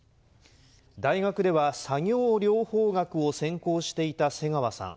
大学では作業療法学を専攻していた瀬川さん。